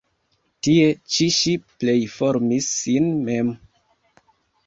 Tie ĉi ŝi plej formis sin mem.